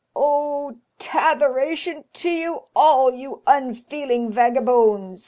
"Oh, tattheration to you all, you unfeeling vagabones!"